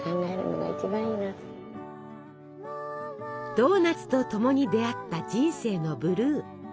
ドーナツとともに出会った人生のブルー。